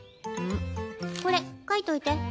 これ書いといて。